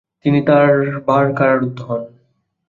তিনি তিন বার কারারুদ্ধ হন।